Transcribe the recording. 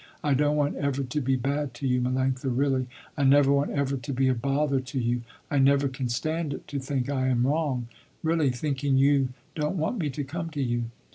I don't want ever to be bad to you Melanctha, really. I never want ever to be a bother to you. I never can stand it to think I am wrong; really, thinking you don't want me to come to you.